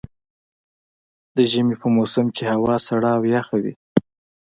د ژمي په موسم کې هوا سړه او يخه وي.